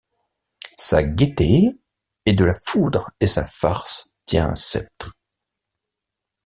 Sa gaîté est de la foudre et sa farce tient un sceptre.